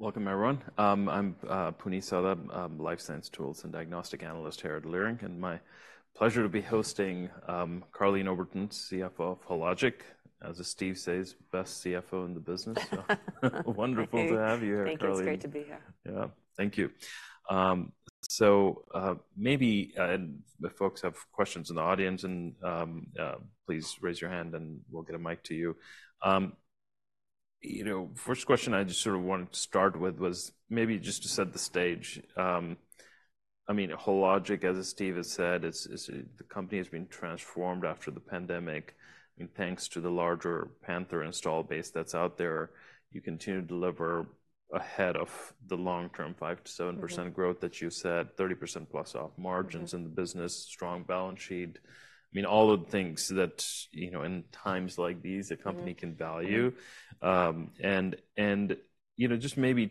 Welcome, everyone. I'm Puneet Souda, life science tools and diagnostics analyst here at Leerink, and my pleasure to be hosting Karleen Oberton, CFO of Hologic. As Steve says, best CFO in the business. So wonderful to have you here, Karleen. Thank you. It's great to be here. Yeah. Thank you. So, maybe if folks have questions in the audience, please raise your hand, and we'll get a mic to you. You know, first question I just sort of wanted to start with was maybe just to set the stage. I mean, Hologic, as Steve has said, it's the company has been transformed after the pandemic. And thanks to the larger Panther install base that's out there, you continue to deliver ahead of the long-term 5%-7%- Mm-hmm growth that you said, 30%+ op margins Mm in the business, strong balance sheet. I mean, all the things that, you know, in times like these Mm a company can value. Mm. You know, just maybe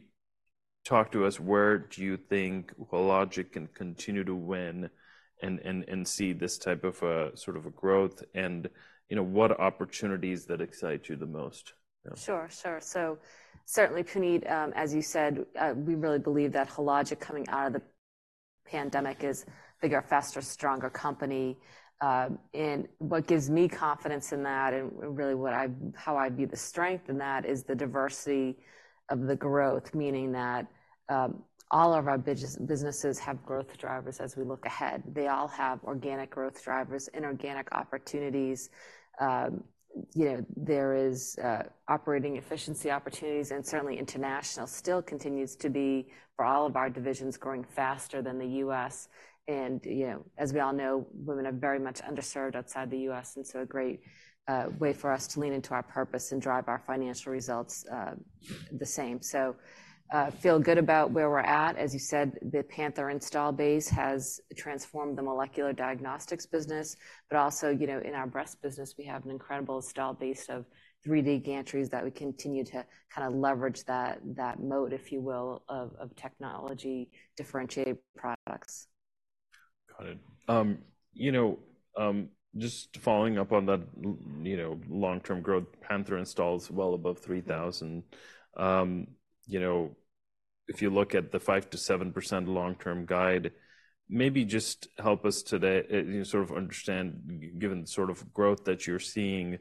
talk to us, where do you think Hologic can continue to win and see this type of a sort of a growth and, you know, what opportunities that excite you the most? Yeah. Sure, sure. So certainly, Puneet, as you said, we really believe that Hologic coming out of the pandemic is bigger, faster, stronger company. And what gives me confidence in that, and really how I view the strength in that, is the diversity of the growth, meaning that all of our businesses have growth drivers as we look ahead. They all have organic growth drivers, inorganic opportunities. You know, there is operating efficiency opportunities, and certainly international still continues to be, for all of our divisions, growing faster than the U.S. And, you know, as we all know, women are very much underserved outside the U.S., and so a great way for us to lean into our purpose and drive our financial results the same. So, feel good about where we're at. As you said, the Panther install base has transformed the molecular diagnostics business, but also, you know, in our breast business, we have an incredible install base of 3D gantries that we continue to kinda leverage that, that moat, if you will, of, of technology differentiated products. Got it. You know, just following up on that, you know, long-term growth, Panther installs well above 3,000. You know, if you look at the 5%-7% long-term guide, maybe just help us today, you know, sort of understand, given the sort of growth that you're seeing,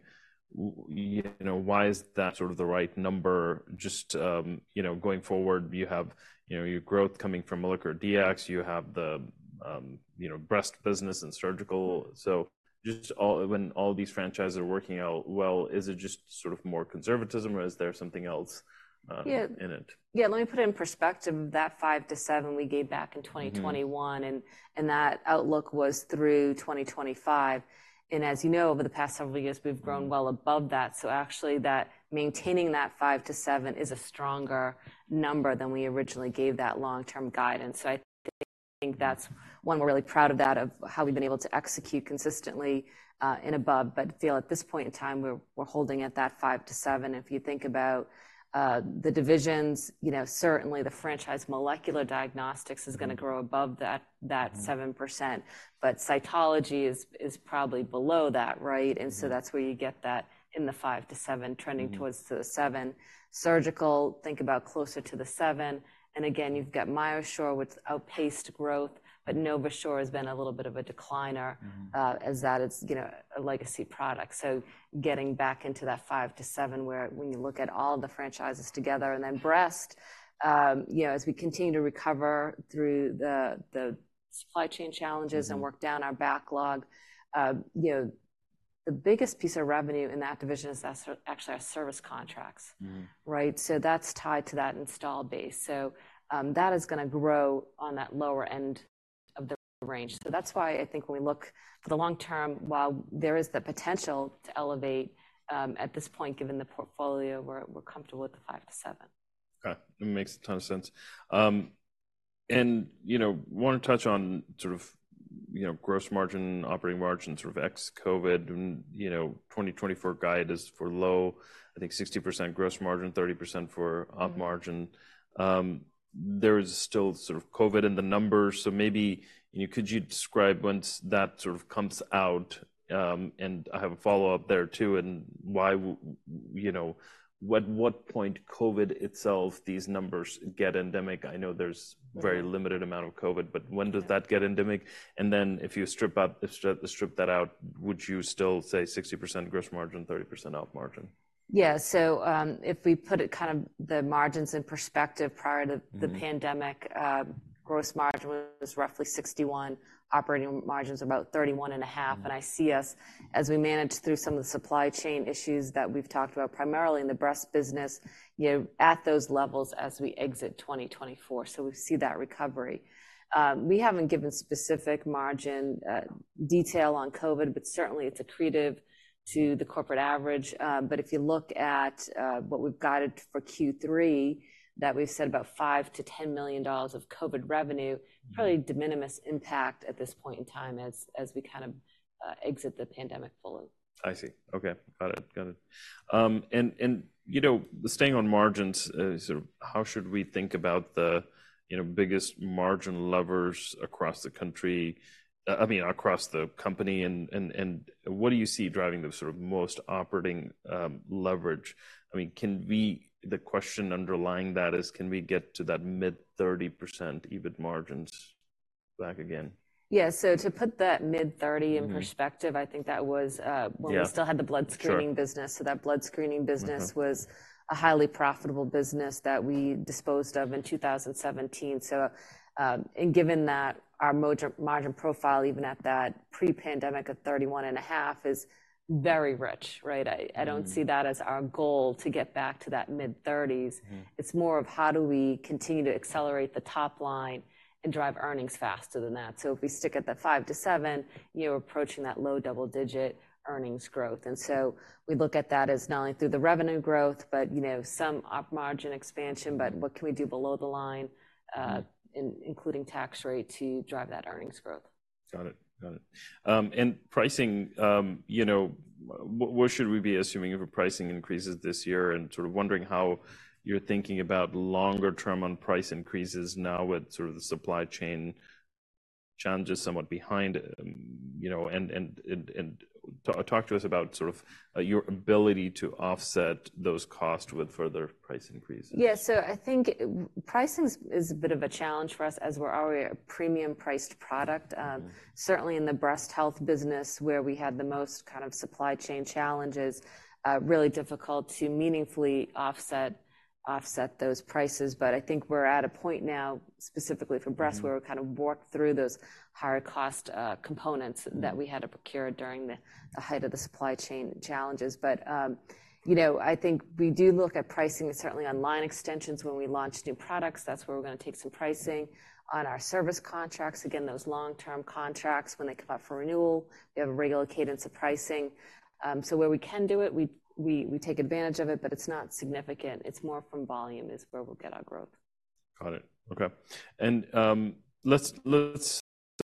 you know, why is that sort of the right number? Just, you know, going forward, you have, you know, your growth coming from molecular Dx, you have the, you know, breast business and surgical. So just, when all these franchises are working out well, is it just sort of more conservatism, or is there something else in it? Yeah. Yeah, let me put it in perspective. That 5%-7% we gave back in 2021 Mm that outlook was through 2025. And as you know, over the past several years, we've grown well above that. So actually, maintaining that 5%-7% is a stronger number than we originally gave that long-term guidance. So I think that's one we're really proud of that, of how we've been able to execute consistently and above, but feel at this point in time, we're holding at that 5%-7%. If you think about the divisions, you know, certainly the franchise molecular diagnostics is gonna grow above that 7%. Mm... but cytology is probably below that, right? Mm. That's where you get that in the 5%-7%, trending towards Mm the 7%. Surgical, think about closer to the seven, and again, you've got MyoSure, which outpaced growth, but NovaSure has been a little bit of a decliner- Mm as that is, you know, a legacy product. So getting back into that 5%-7%, where when you look at all the franchises together. And then breast, you know, as we continue to recover through the supply chain challenges Mm and work down our backlog, you know, the biggest piece of revenue in that division is actually our service contracts. Mm. Right? So that's tied to that installed base. So, that is gonna grow on that lower end of the range. So that's why I think when we look for the long term, while there is the potential to elevate, at this point, given the portfolio, we're, we're comfortable with the 5%-7%. Okay, it makes a ton of sense. And, you know, want to touch on sort of, you know, gross margin, operating margin, sort of ex-COVID. And, you know, 2024 guide is for low, I think 60% gross margin, 30% for op margin. There is still sort of COVID in the numbers, so maybe, you know, could you describe once that sort of comes out? And I have a follow-up there too, and why, you know, what, what point COVID itself, these numbers get endemic? I know there's Mm limited amount of COVID, but when does that get endemic? And then if you strip that out, would you still say 60% gross margin, 30% op margin? Yeah. So, if we put it kind of the margins in perspective, prior to Mm the pandemic, gross margin was roughly 61%, operating margin was about 31.5%. Mm. I see us, as we manage through some of the supply chain issues that we've talked about, primarily in the breast business, you know, at those levels as we exit 2024, so we see that recovery. We haven't given specific margin detail on COVID, but certainly it's accretive to the corporate average. But if you look at what we've guided for Q3, that we've said about $5 million-$10 million of COVID revenue Mm probably de minimis impact at this point in time as we kind of exit the pandemic fully. I see. Okay, got it. Got it. And, you know, staying on margins, sort of how should we think about the, you know, biggest margin levers across the country. I mean, across the company, and what do you see driving the sort of most operating leverage? I mean, can we—the question underlying that is, can we get to that mid-30% EBIT margins? Back again. Yeah, so to put that mid-30 Mm-hmm in perspective, I think that was, Yeah... when we still had the blood screening- Sure business. So that blood screening business. Mm-hmm -was a highly profitable business that we disposed of in 2017. So, and given that our margin profile, even at that pre-pandemic of 31.5%, is very rich, right? Mm-hmm. I don't see that as our goal to get back to that mid-30s. Mm-hmm. It's more of how do we continue to accelerate the top line and drive earnings faster than that? So if we stick at the 5%-7%, you're approaching that low double-digit earnings growth. And so we look at that as not only through the revenue growth, but, you know, some op margin expansion, but what can we do below the line, including tax rate, to drive that earnings growth? Got it. Got it. And pricing, you know, what should we be assuming of a pricing increases this year? And sort of wondering how you're thinking about longer term on price increases now with sort of the supply chain challenges somewhat behind. You know, and talk to us about sort of your ability to offset those costs with further price increases. Yeah, so I think pricing's is a bit of a challenge for us as we're already a premium-priced product. Mm-hmm. Certainly in the breast health business, where we had the most kind of supply chain challenges, really difficult to meaningfully offset those prices. But I think we're at a point now, specifically for breast- Mm-hmm -where we've kind of worked through those higher cost, components- Mm-hmm -that we had to procure during the height of the supply chain challenges. But, you know, I think we do look at pricing, and certainly online extensions when we launch new products. That's where we're gonna take some pricing. On our service contracts, again, those long-term contracts, when they come up for renewal, we have a regular cadence of pricing. So where we can do it, we take advantage of it, but it's not significant. It's more from volume is where we'll get our growth. Got it. Okay. And, let's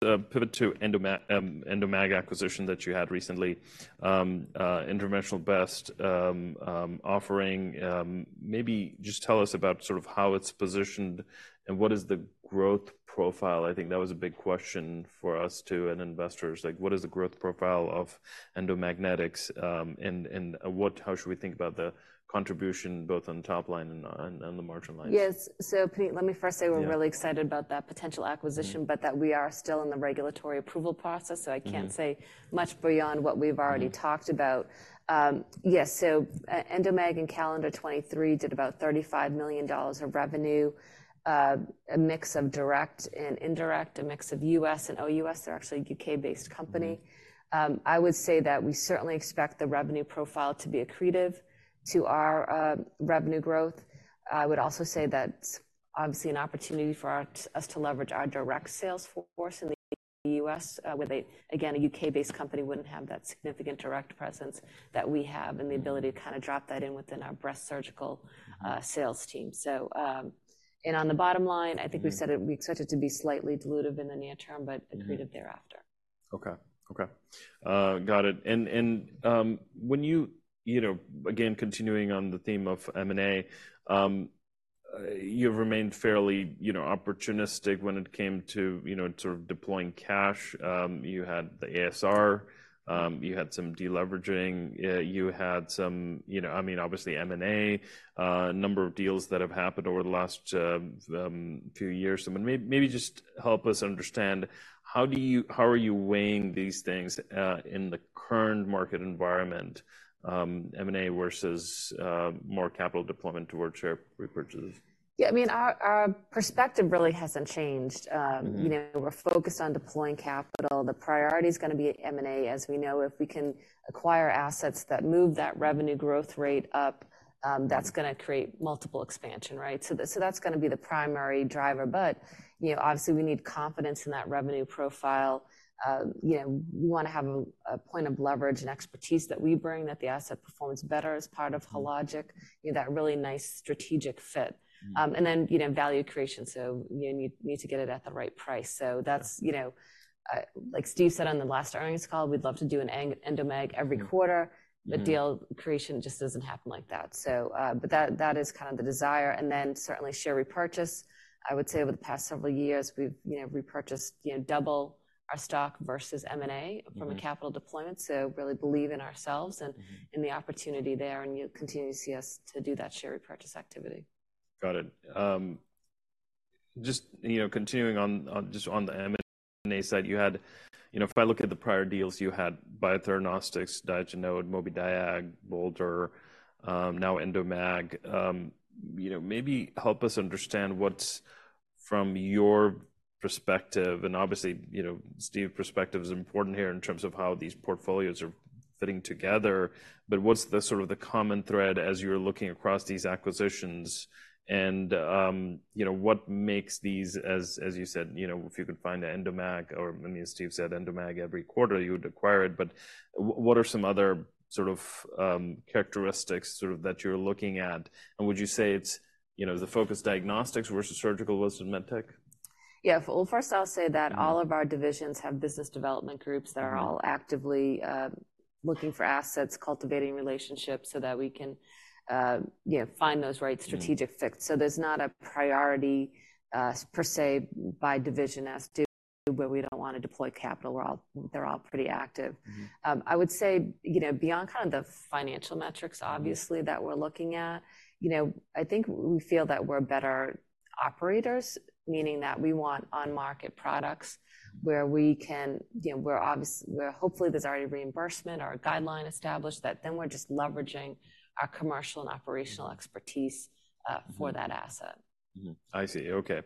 pivot to Endomag, Endomag acquisition that you had recently. Interventional breast offering. Maybe just tell us about sort of how it's positioned, and what is the growth profile? I think that was a big question for us too, and investors. Like, what is the growth profile of Endomag, and how should we think about the contribution both on the top line and on the margin line? Yes. So, Puneet, let me first say- Yeah... we're really excited about that potential acquisition- Mm-hmm but that we are still in the regulatory approval process. Mm-hmm. So I can't say much beyond what we've already talked about. Yes, so Endomag in calendar 2023 did about $35 million of revenue, a mix of direct and indirect, a mix of U.S. and OUS. They're actually a U.K.-based company. I would say that we certainly expect the revenue profile to be accretive to our revenue growth. I would also say that's obviously an opportunity for us to leverage our direct sales force in the U.S., where they... Again, a U.K.-based company wouldn't have that significant direct presence that we have and the ability to kind of drop that in within our breast surgical sales team. So, and on the bottom line- Mm-hmm I think we said it, we expect it to be slightly dilutive in the near term, but Mm-hmm accretive thereafter. Okay. Okay. Got it. And when you, you know, again, continuing on the theme of M&A, you've remained fairly, you know, opportunistic when it came to, you know, sort of deploying cash. You had the ASR, you had some deleveraging, you had some, you know, I mean, obviously, M&A, a number of deals that have happened over the last few years. So maybe just help us understand, how are you weighing these things in the current market environment, M&A versus more capital deployment towards share repurchases? Yeah, I mean, our perspective really hasn't changed. Mm-hmm you know, we're focused on deploying capital. The priority is gonna be M&A. As we know, if we can acquire assets that move that revenue growth rate up, that's gonna create multiple expansion, right? So, so that's gonna be the primary driver. But, you know, obviously, we need confidence in that revenue profile. You know, we wanna have a, a point of leverage and expertise that we bring, that the asset performs better as part of Hologic, you know, that really nice strategic fit. Mm-hmm. And then, you know, value creation, so you need, need to get it at the right price. So that's, you know, like Steve said on the last earnings call, we'd love to do an Endomag every quarter Mm-hmm but deal creation just doesn't happen like that. So, but that is kind of the desire, and then certainly share repurchase. I would say over the past several years, we've, you know, repurchased, you know, double our stock versus M&A Mm-hmm from a capital deployment. So really believe in ourselves- Mm-hmm and in the opportunity there, and you'll continue to see us to do that share repurchase activity. Got it. Just, you know, continuing on, just on the M&A side, you had-- you know, if I look at the prior deals, you had Biotheranostics, Diagenode, Mobidiag, Bolder, now Endomag. You know, maybe help us understand what's, from your perspective, and obviously, you know, Steve, perspective is important here in terms of how these portfolios are fitting together, but what's the sort of common thread as you're looking across these acquisitions? And, you know, what makes these, as you said, you know, if you could find an Endomag or, I mean, as Steve said, Endomag every quarter, you would acquire it, but what are some other sort of, characteristics sort of that you're looking at? And would you say it's, you know, the focus diagnostics versus surgical versus medtech? Yeah. Well, first, I'll say that Mm-hmm all of our divisions have business development groups Mm-hmm that are all actively, looking for assets, cultivating relationships, so that we can, you know, find those right strategic fits. Mm-hmm. So there's not a priority, per se, by division where we don't wanna deploy capital. We're all, they're all pretty active. Mm-hmm. I would say, you know, beyond kind of the financial metrics obviously that we're looking at, you know, I think we feel that we're better operators, meaning that we want on-market products where we can, you know, where obviously where hopefully there's already reimbursement or a guideline established that then we're just leveraging our commercial and operational expertise. Mm-hmm. for that asset. Mm-hmm. I see, okay.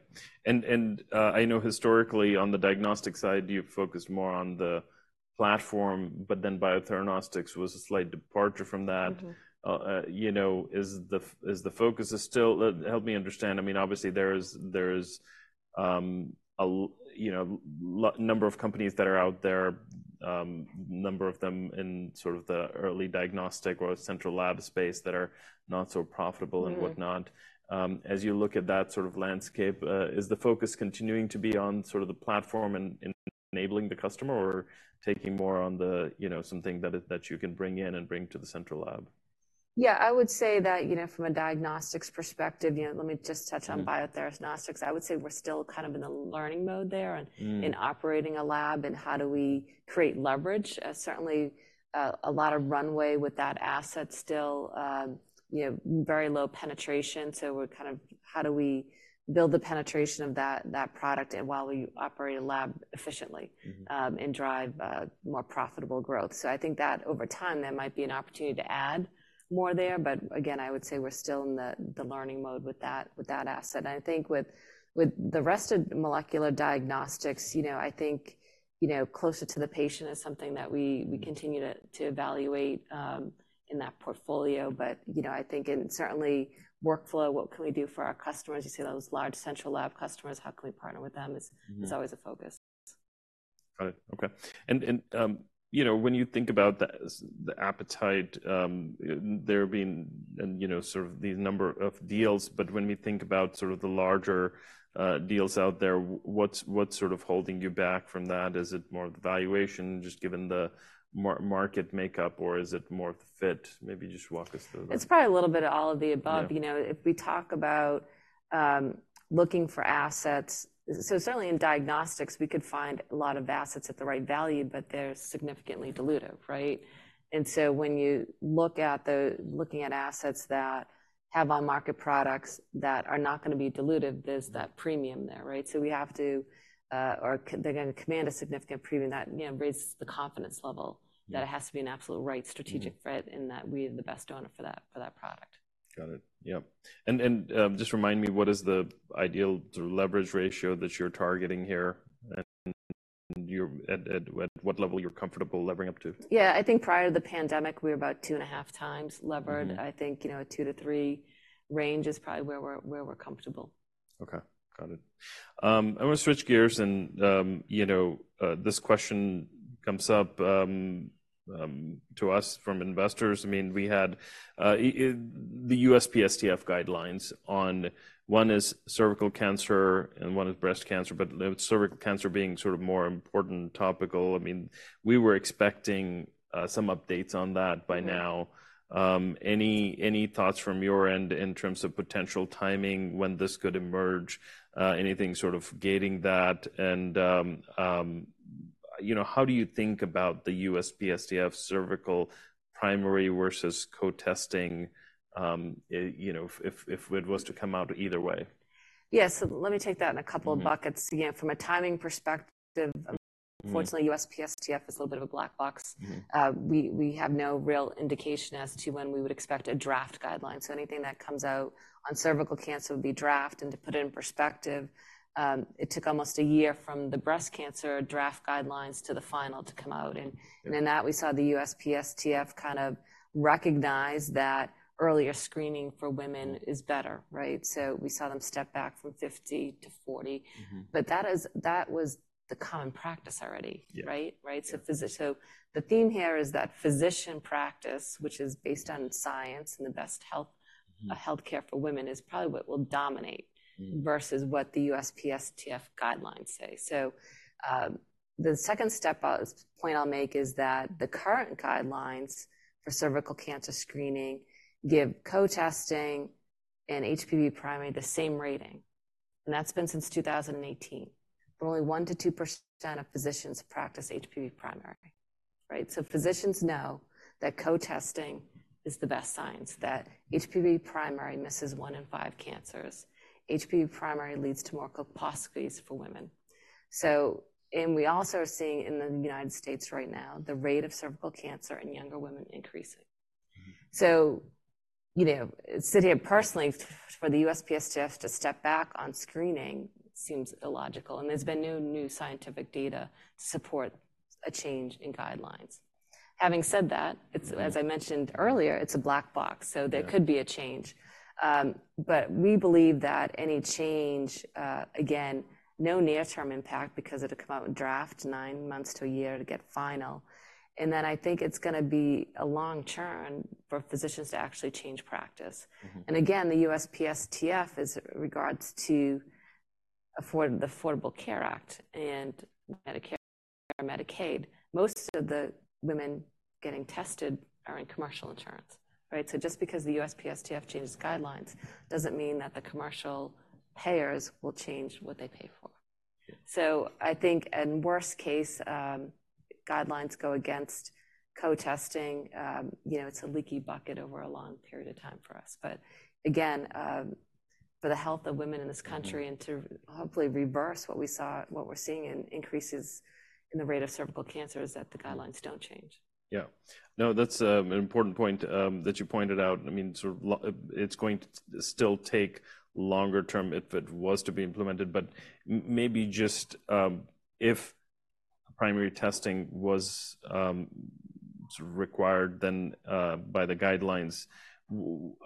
And I know historically on the diagnostic side, you've focused more on the platform, but then Biotheranostics was a slight departure from that. Mm-hmm. You know, is the focus still... Help me understand. I mean, obviously there's a large number of companies that are out there, number of them in sort of the early diagnostic or central lab space that are not so profitable- Mm-hmm. – and whatnot. As you look at that sort of landscape, is the focus continuing to be on sort of the platform and enabling the customer, or taking more on the, you know, something that you can bring in and bring to the central lab? Yeah, I would say that, you know, from a diagnostics perspective, you know, let me just touch on Biotheranostics. Mm-hmm. I would say we're still kind of in a learning mode there Mm and in operating a lab, and how do we create leverage? Certainly, a lot of runway with that asset still, you know, very low penetration, so we're kind of how do we build the penetration of that, that product, and while we operate a lab efficiently Mm-hmm and drive more profitable growth. So I think that over time, there might be an opportunity to add more there. But again, I would say we're still in the learning mode with that asset. I think with the rest of molecular diagnostics, you know, I think, you know, closer to the patient is something that we continue to evaluate in that portfolio. But, you know, I think and certainly workflow, what can we do for our customers? You see those large central lab customers, how can we partner with them, is Mm-hmm. is always a focus. Got it. Okay. And, you know, when you think about the appetite, there being, and, you know, sort of the number of deals, but when we think about sort of the larger deals out there, what's sort of holding you back from that? Is it more the valuation, just given the market makeup, or is it more fit? Maybe just walk us through that. It's probably a little bit of all of the above. Yeah. You know, if we talk about looking for assets... So certainly in diagnostics, we could find a lot of assets at the right value, but they're significantly dilutive, right? And so when you look at looking at assets that have on-market products that are not gonna be dilutive, there's that premium there, right? So we have to or they're gonna command a significant premium that, you know, raises the confidence level Mm-hmm. that it has to be an absolute right strategic fit. Mm-hmm and that we are the best owner for that, for that product. Got it. Yep. And just remind me, what is the ideal leverage ratio that you're targeting here, and at what level you're comfortable levering up to? Yeah, I think prior to the pandemic, we were about 2.5 times levered. Mm-hmm. I think, you know, 2-3 range is probably where we're comfortable. Okay. Got it. I want to switch gears and, you know, this question comes up to us from investors. I mean, we had the USPSTF guidelines on, one is cervical cancer and one is breast cancer, but cervical cancer being sort of more important topical. I mean, we were expecting some updates on that by now. Mm-hmm. Any thoughts from your end in terms of potential timing, when this could emerge? Anything sort of gating that? And, you know, how do you think about the USPSTF cervical primary versus co-testing, you know, if it was to come out either way? Yes, let me take that in a couple of buckets. Mm-hmm. Yeah, from a timing perspective, unfortunately, USPSTF is a little bit of a black box. Mm-hmm. We have no real indication as to when we would expect a draft guideline, so anything that comes out on cervical cancer would be draft. To put it in perspective, it took almost a year from the breast cancer draft guidelines to the final to come out. Mm-hmm. In that, we saw the USPSTF kind of recognize that earlier screening for women is better, right? We saw them step back from 50-40. Mm-hmm. But that is, that was the common practice already. Yeah. Right? Right. Yeah. So the theme here is that physician practice, which is based on science and the best health Mm-hmm healthcare for women, is probably what will dominate Mm versus what the USPSTF guidelines say. So, the second point I'll make is that the current guidelines for cervical cancer screening give co-testing and HPV primary the same rating, and that's been since 2018. But only 1%-2% of physicians practice HPV primary, right? So physicians know that co-testing is the best science, that HPV primary misses one in five cancers. HPV primary leads to more colposcopies for women. So. And we also are seeing in the United States right now, the rate of cervical cancer in younger women increasing. Mm-hmm. So, you know, sitting here personally, for the USPSTF to step back on screening seems illogical, and there's been no new scientific data to support a change in guidelines. Having said that, it's Mm-hmm as I mentioned earlier, it's a black box, so Yeah there could be a change. But we believe that any change, again, no near-term impact because it'll come out with draft nine months to a year to get final. And then I think it's gonna be a long term for physicians to actually change practice. Mm-hmm. And again, the USPSTF is in regards to the Affordable Care Act and Medicare or Medicaid, most of the women getting tested are in commercial insurance, right? So just because the USPSTF changes guidelines, doesn't mean that the commercial payers will change what they pay for. So I think, and worst case, guidelines go against co-testing, you know, it's a leaky bucket over a long period of time for us. But again, for the health of women in this country Mm-hmm. and to hopefully reverse what we saw, what we're seeing in increases in the rate of cervical cancer, is that the guidelines don't change. Yeah. No, that's an important point that you pointed out. I mean, sort of it's going to still take longer term if it was to be implemented, but maybe just, if primary testing was sort of required, then, by the guidelines,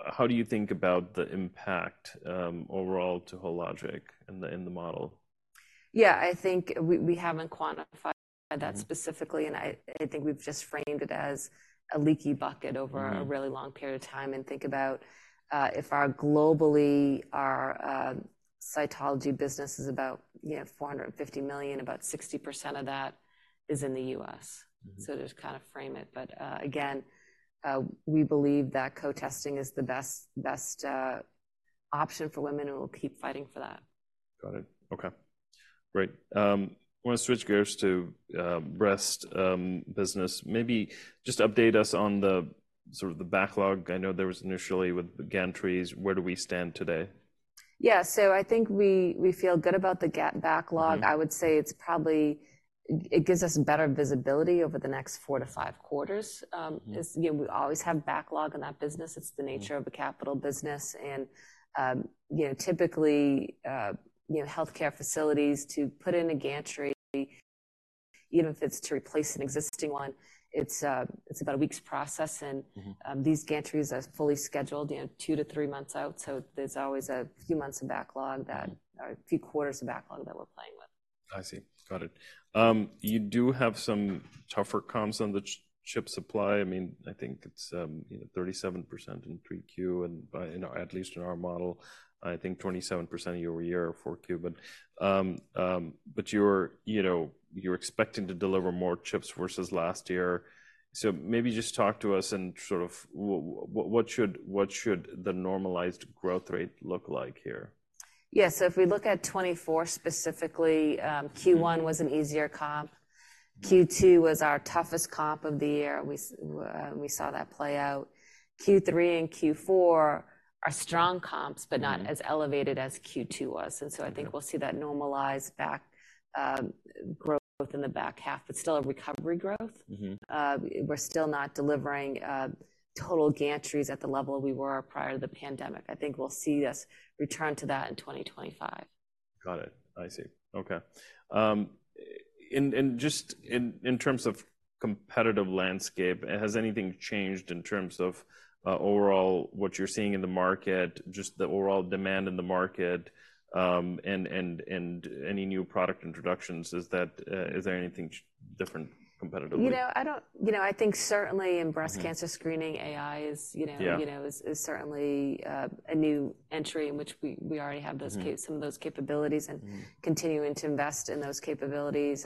how do you think about the impact, overall to Hologic in the, in the model? Yeah, I think we haven't quantified that specifically, and I think we've just framed it as a leaky bucket over Mm a really long period of time. And think about if our global cytology business is about, you know, $450 million, about 60% of that is in the U.S. Mm-hmm. So to kind of frame it, again, we believe that co-testing is the best option for women, and we'll keep fighting for that. Got it. Okay, great. I want to switch gears to breast business. Maybe just update us on the sort of the backlog. I know there was initially with the gantries. Where do we stand today? Yeah, so I think we, we feel good about the gantry backlog. Mm-hmm. I would say it's probably... It gives us better visibility over the next 4-5 quarters. Mm. You know, we always have backlog in that business. Mm. It's the nature of a capital business and, you know, typically, you know, healthcare facilities to put in a gantry, even if it's to replace an existing one, it's, it's about a week's process and Mm-hmm these gantries are fully scheduled, you know, 2-3 months out, so there's always a few months of backlog that Mm or a few quarters of backlog that we're playing with. I see. Got it. You do have some tougher comps on the chip supply. I mean, I think it's, you know, 37% in 3Q, and, you know, at least in our model, I think 27% year-over-year for 4Q. But, but you're, you know, you're expecting to deliver more chips versus last year, so maybe just talk to us and sort of what, what should, what should the normalized growth rate look like here? Yeah, so if we look at 2024 specifically Mm Q1 was an easier comp. Q2 was our toughest comp of the year. We saw that play out. Q3 and Q4 are strong comps. Mm but not as elevated as Q2 was. Mm-hmm. And so I think we'll see that normalized back, growth in the back half, but still a recovery growth. Mm-hmm. We're still not delivering total gantries at the level we were prior to the pandemic. I think we'll see us return to that in 2025. Got it. I see. Okay. And just in terms of competitive landscape, has anything changed in terms of overall what you're seeing in the market, just the overall demand in the market, and any new product introductions? Is there anything different competitively? You know, I don't... You know, I think certainly in breast Mm cancer screening, AI is, you know Yeah you know, is certainly a new entry in which we already have those cap Mm some of those capabilities Mm and continuing to invest in those capabilities.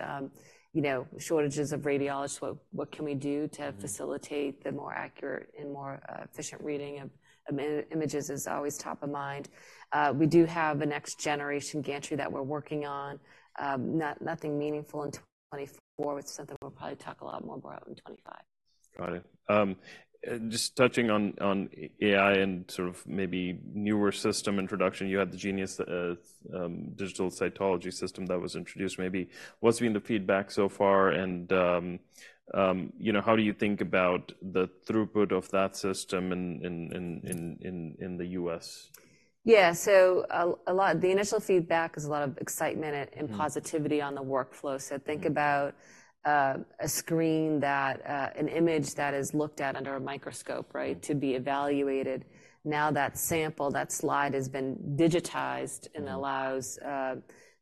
You know, shortages of radiologists, what can we do Mm to facilitate the more accurate and more efficient reading of images is always top of mind. We do have a next-generation gantry that we're working on. Nothing meaningful in 2024. It's something we'll probably talk a lot more about in 2025. Got it. Just touching on AI and sort of maybe newer system introduction, you had the Genius Digital Cytology System that was introduced. Maybe what's been the feedback so far, and, you know, how do you think about the throughput of that system in the U.S.? Yeah. So the initial feedback is a lot of excitement and Mm positivity on the workflow. Mm-hmm. So, think about an image that is looked at under a microscope, right? Mm. To be evaluated. Now, that sample, that slide, has been digitized Mm and allows,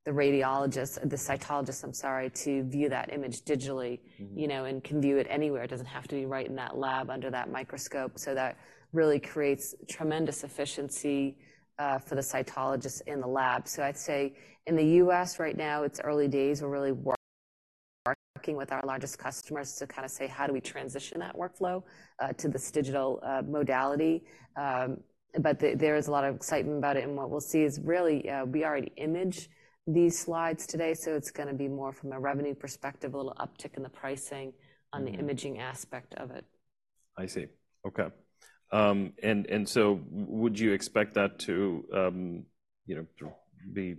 the radiologist, the cytologist, I'm sorry, to view that image digitally Mm you know, and can view it anywhere. It doesn't have to be right in that lab under that microscope, so that really creates tremendous efficiency for the cytologist in the lab. So I'd say in the U.S. right now, it's early days. We're really working with our largest customers to kind of say: How do we transition that workflow to this digital modality? But there is a lot of excitement about it, and what we'll see is really, we already image these slides today, so it's gonna be more from a revenue perspective, a little uptick in the pricing Mm on the imaging aspect of it. I see. Okay. And so would you expect that to, you know, be...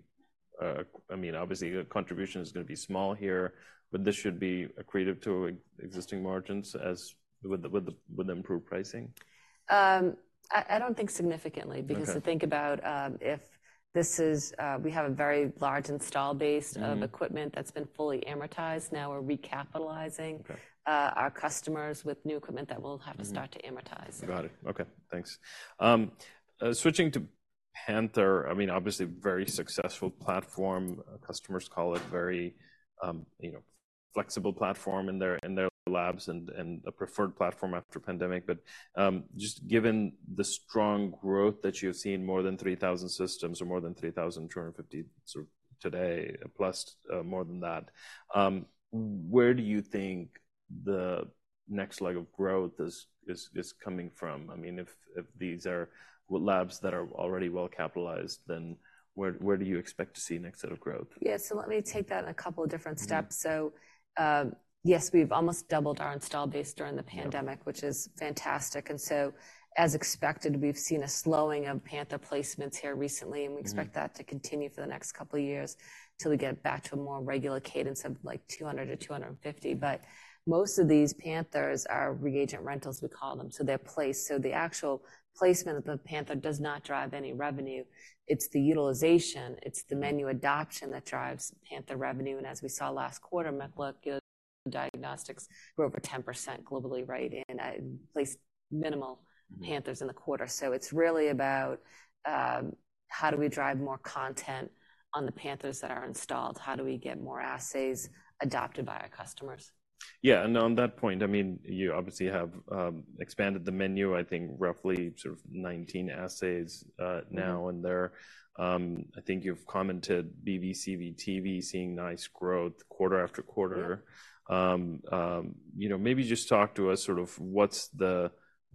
I mean, obviously, the contribution is gonna be small here, but this should be accretive to existing margins as with the improved pricing? I don't think significantly Okay because to think about, if this is, we have a very large install base Mm of equipment that's been fully amortized. Now, we're recapitalizing Okay our customers with new equipment that we'll Mm have to start to amortize. Got it. Okay, thanks. Switching to Panther, I mean, obviously, a very successful platform. Customers call it very, you know, flexible platform in their, in their labs and, and a preferred platform after pandemic. But, just given the strong growth that you've seen, more than 3,000 systems or more than 3,250 sort of today, plus, more than that, where do you think the next leg of growth is, is, is coming from? I mean, if, if these are labs that are already well-capitalized, then where, where do you expect to see the next set of growth? Yeah, so let me take that in a couple of different steps. Mm-hmm. Yes, we've almost doubled our installed base during the pandemic Yeah which is fantastic, and so as expected, we've seen a slowing of Panther placements here recently. Mm-hmm. We expect that to continue for the next couple of years till we get back to a more regular cadence of, like, 200-250. But most of these Panthers are reagent rentals, we call them, so they're placed. So the actual placement of the Panther does not drive any revenue. It's the utilization, it's the menu adoption that drives Panther revenue, and as we saw last quarter, molecular diagnostics grew over 10% globally, right? And I placed minimal Panthers in the quarter. So it's really about, how do we drive more content on the Panthers that are installed? How do we get more assays adopted by our customers? Yeah, and on that point, I mean, you obviously have expanded the menu, I think roughly sort of 19 assays now, and they're—I think you've commented BV CV TV seeing nice growth quarter after quarter. Yeah. You know, maybe just talk to us sort of what's the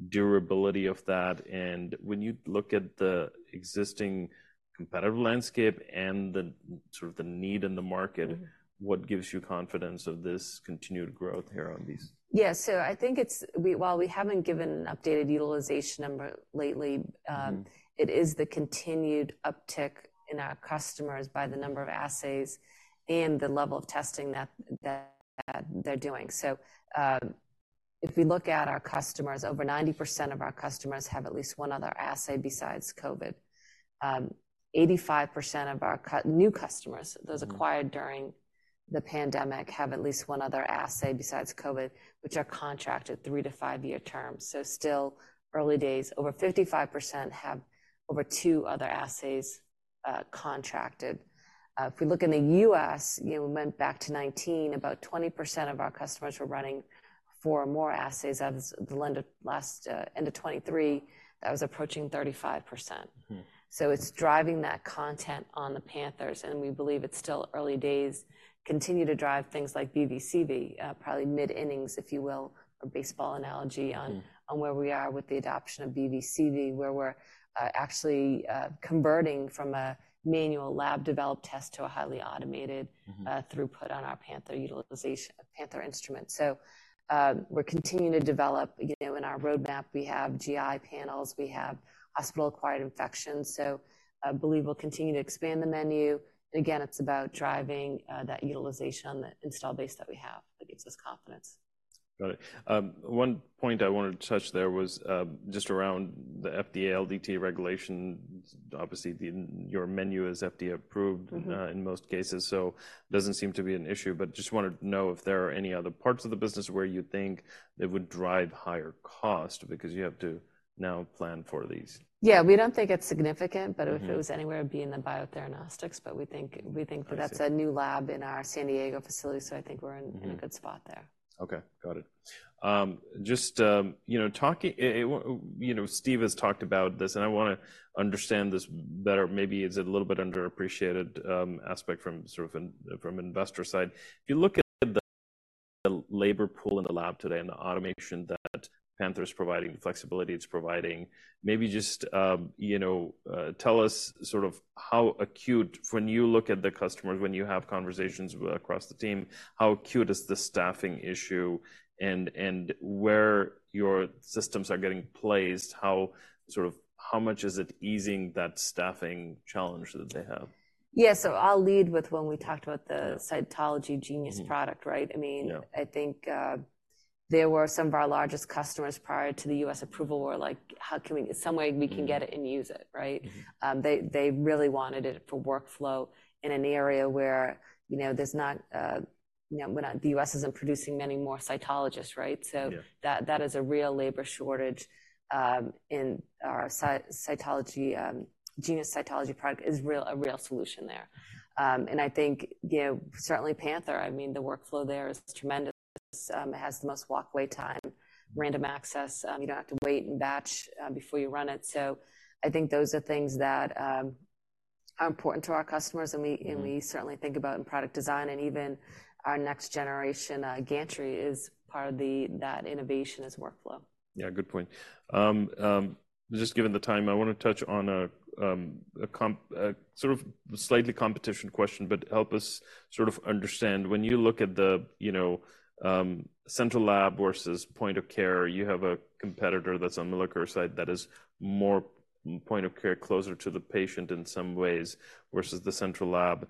durability of that, and when you look at the existing competitive landscape and the sort of the need in the market Mm-hmm what gives you confidence of this continued growth here on these? Yeah. So I think it's while we haven't given an updated utilization number lately Mm-hmm it is the continued uptick in our customers by the number of assays and the level of testing that they're doing. So, if we look at our customers, over 90% of our customers have at least one other assay besides COVID. 85% of our new customers Mm those acquired during the pandemic, have at least one other assay besides COVID, which are contracted three- to five-year terms, so still early days. Over 55% have over two other assays, contracted. If we look in the U.S., you know, we went back to 2019, about 20% of our customers were running four or more assays. As of the end of last, end of 2023, that was approaching 35%. Mm. So it's driving that content on the Panther's, and we believe it's still early days. Continue to drive things like BV/CV, probably mid-innings, if you will, a baseball analogy Mm on, on where we are with the adoption of BV/CV, where we're actually converting from a manual lab-developed test to a highly automated Mm-hmm throughput on our Panther utilization, Panther instrument. So, we're continuing to develop. You know, in our roadmap, we have GI panels, we have hospital-acquired infections, so, I believe we'll continue to expand the menu, and again, it's about driving that utilization on the install base that we have that gives us confidence. Got it. One point I wanted to touch there was, just around the FDA LDT regulation. Obviously, the, your menu is FDA approved Mm-hmm in most cases, so it doesn't seem to be an issue. But just wanted to know if there are any other parts of the business where you think it would drive higher cost because you have to now plan for these? Yeah, we don't think it's significant Mm-hmm but if it was anywhere, it'd be in the Biotheranostics, but we think that I see that's a new lab in our San Diego facility, so I think we're in a good spot there. Mm-hmm. Okay, got it. Just, you know, talking, you know, Steve has talked about this, and I wanna understand this better. Maybe it's a little bit underappreciated, aspect from sort of from investor side. If you look at the, the labor pool in the lab today and the automation that Panther is providing, the flexibility it's providing, maybe just, you know, tell us sort of how acute when you look at the customers, when you have conversations across the team, how acute is the staffing issue, and, and where your systems are getting placed, how, sort of how much is it easing that staffing challenge that they have? Yeah, so I'll lead with when we talked about the Yeah cytology Genius product, right? Mm-hmm. Yeah. I mean, I think, there were some of our largest customers prior to the U.S. approval, were like: "How can we- some way we can get it and use it," right? Mm-hmm. They really wanted it for workflow in an area where, you know, there's not... you know, the U.S. isn't producing many more cytologists, right? Yeah. So that, that is a real labor shortage in our cytology. Genius cytology product is real, a real solution there. And I think, you know, certainly Panther, I mean, the workflow there is tremendous. It has the most walkaway time, random access. You don't have to wait and batch before you run it. So I think those are things that are important to our customers, and we Mm and we certainly think about in product design, and even our next generation gantry is part of the, that innovation as workflow. Yeah, good point. Just given the time, I want to touch on a sort of slightly competition question, but help us sort of understand, when you look at the, you know, central lab versus point of care, you have a competitor that's on the LDT side that is more point of care, closer to the patient in some ways, versus the central lab.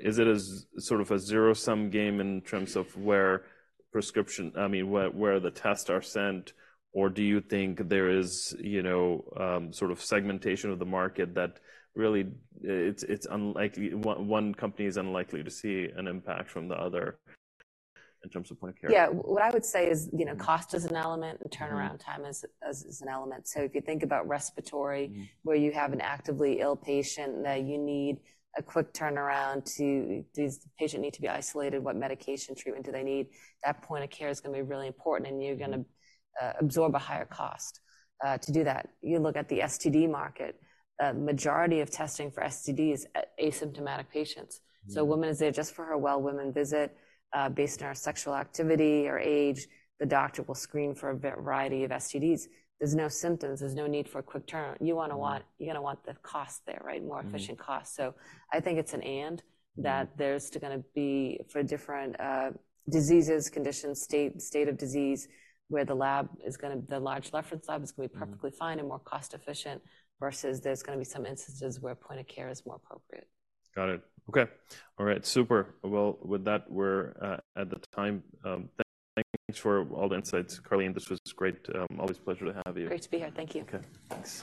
Is it as sort of a zero-sum game in terms of where the tests are sent, or do you think there is, you know, sort of segmentation of the market that really, it's unlikely one company is unlikely to see an impact from the other in terms of point of care? Yeah, what I would say is, you know, cost is an element. Mm-hmm and turnaround time is an element. So if you think about respiratory Mm where you have an actively ill patient that you need a quick turnaround to. Does the patient need to be isolated? What medication treatment do they need? That point of care is gonna be really important, and you're gonna absorb a higher cost to do that. You look at the STD market. A majority of testing for STD is asymptomatic patients. Mm. So a woman is there just for her well woman visit. Based on her sexual activity or age, the doctor will screen for a variety of STDs. There's no symptoms, there's no need for a quick turnaround. Mm-hmm. You're gonna want the cost there, right? Mm. More efficient cost. I think it's an and Mm that there's still gonna be, for different diseases, conditions, states of disease, where the lab is gonna be the large reference lab is gonna be perfectly fine and more cost-efficient, versus there's gonna be some instances where point of care is more appropriate. Got it. Okay. Alright, super. Well, with that, we're at the time. Thanks for all the insights, Karleen. This was great. Always a pleasure to have you. Great to be here. Thank you. Okay, thanks.